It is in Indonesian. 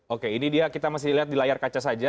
oke ini dia kita masih lihat di layar kaca saja